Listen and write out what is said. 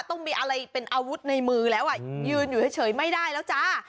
ต้องมีอะไรเป็นอาวุธในมือแล้วยืนอยู่เฉยไม่ได้แล้วจ้า